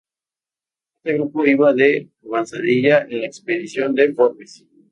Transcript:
Este grupo iba de avanzadilla de la expedición de Forbes.